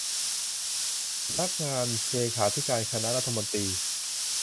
สำนักงานเลขาธิการคณะรัฐมนตรี